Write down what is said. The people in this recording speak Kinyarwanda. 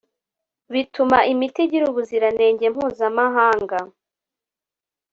bituma imiti igira ubuziranenge mpuzamahanga